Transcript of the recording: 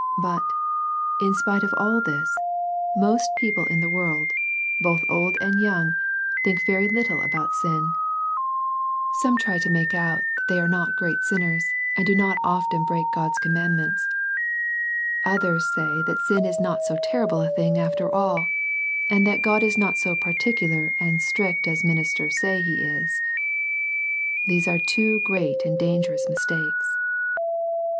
But, in spite of all this, most people in the world, both old and young, think very little about sin. Some try to 'make out they are not great sinners, and do not often bie2^ 0^^^^ ^^\sw 26 SERMONS FOR CHILDREN. mandments. Others say that sin is not so terrible a thing after all, and that God is not so particular and strict as ministers say He is. These are two great and dangerous mistakes.